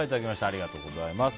ありがとうございます。